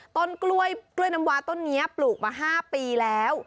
ต้นกล้วยน้ำวาต้นนี้ปลูกมา๕ปีแล้ว